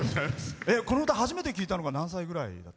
この歌、初めて聴いたのが何歳ぐらい？